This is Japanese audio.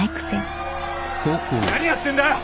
何やってんだよ？